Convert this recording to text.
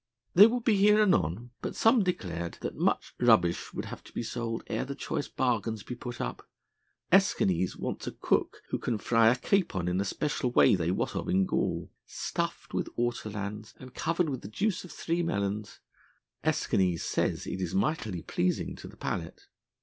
"They will be here anon; but some declared that much rubbish would have to be sold ere the choice bargains be put up. Escanes wants a cook who can fry a capon in a special way they wot of in Gaul. Stuffed with ortolans and covered with the juice of three melons Escanes says it is mightily pleasing to the palate."